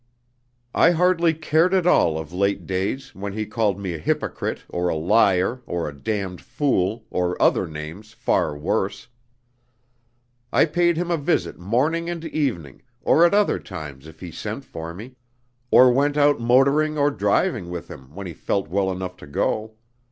I hardly cared at all of late days, when he called me a hypocrite, or a liar, or a damned fool, or other names far worse. I paid him a visit morning and evening, or at other times if he sent for me, and went out motoring or driving with him when he felt well enough to go.